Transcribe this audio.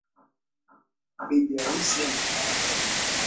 Bibi harusi amepambwa.